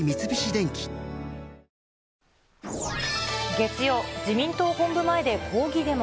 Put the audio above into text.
月曜、自民党本部前で抗議デモ。